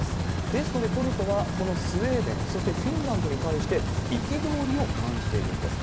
ですので、トルコはスウェーデン、そしてフィンランドに対して憤りを感じているんです。